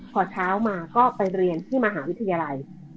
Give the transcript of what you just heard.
พอเช้ามาก็ไปเรียนที่มหาวิทยาลัย